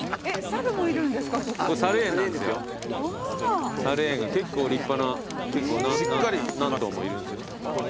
さる園が結構立派な結構何頭もいるんですよ。